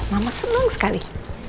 mama seneng sekali